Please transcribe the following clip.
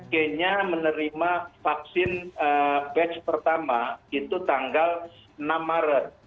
kenya menerima vaksin batch pertama itu tanggal enam maret